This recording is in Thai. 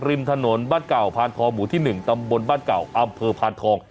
ริมถนนบ้านเก่าพานทองหมู่ที่๑ตำบลบ้านเก่าอำเภอพานทอง